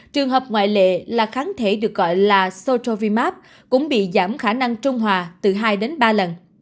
trường hợp ngoại lệ là kháng thể được gọi là sotovimap cũng bị giảm khả năng trung hòa từ hai đến ba lần